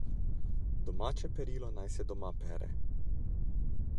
Domače perilo naj se doma pere.